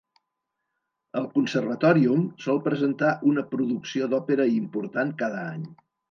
El Conservatorium sol presentar una producció d'òpera important cada any.